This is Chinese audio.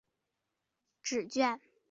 指券相似。